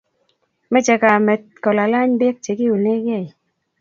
meche kamet kolalany beek chekiunegei